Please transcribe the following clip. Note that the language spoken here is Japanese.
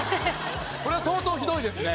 これは相当ひどいですね。